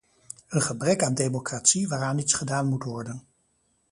Een gebrek aan democratie waaraan iets gedaan moet worden.